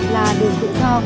là đường tự do